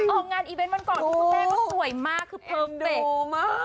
ออกงานอีเวนต์วันก่อนทุกคนแกล้งว่าสวยมาก